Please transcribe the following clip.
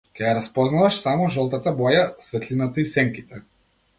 Ќе ја распознаваш само жолтата боја, светлината и сенките.